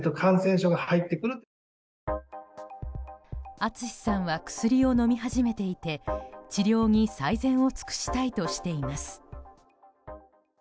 ＡＴＳＵＳＨＩさんは薬を飲み始めていて、治療に最善を尽くしたいとしています。